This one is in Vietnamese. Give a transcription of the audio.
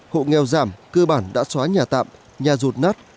hộ nghèo giảm cơ bản đã xóa nhà tạm nhà rột nát